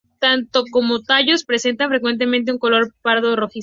Tanto ellas como tallos presentan frecuentemente un color pardo rojizo.